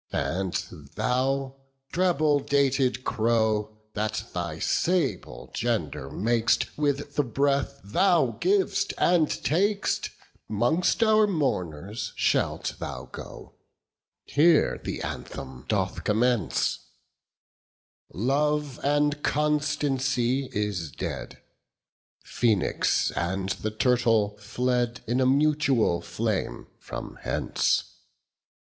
And thou, treble dated crow, That thy sable gender mak'st With the breath thou giv'st and tak'st, 'Mongst our mourners shalt thou go. 20 Here the anthem doth commence:— Love and constancy is dead; Phoenix and the turtle fled In a mutual flame from hence.